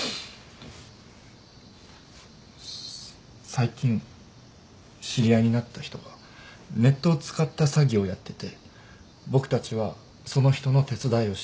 最近知り合いになった人がネットを使った詐欺をやってて僕たちはその人の手伝いをしてしまった。